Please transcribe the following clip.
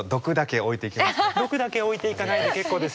毒だけ置いて行かないで結構ですよ。